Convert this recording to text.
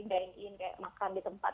dainin makan di tempat